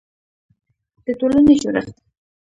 د ټولنې جوړښت